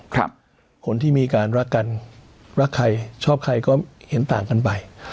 คนที่มีการรักกันรักใครชอบใครก็เห็นต่างกันไป